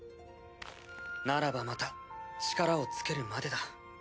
ならばまた力をつけるまでだ。